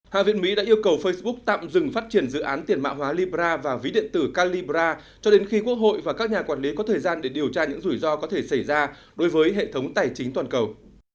hạ viện mỹ đã yêu cầu facebook tạm dừng phát triển dự án tiền mạng hóa libra và ví điện tử calibra cho đến khi quốc hội và các nhà quản lý có thời gian để điều tra những rủi ro có thể xảy ra đối với hệ thống tài chính toàn cầu